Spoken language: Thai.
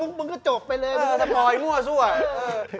มุกมึงก็โจ๊กไปเลยมันก็สปอยง่วสวย